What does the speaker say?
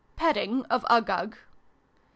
Petting of Uggug. 8.